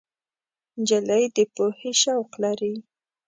نجلۍ د پوهې شوق لري.